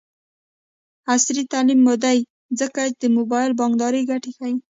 عصري تعلیم مهم دی ځکه چې د موبايل بانکدارۍ ګټې ښيي.